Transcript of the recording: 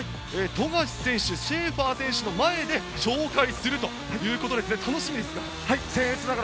富樫選手、シェーファー選手の前で紹介するということで楽しみですが。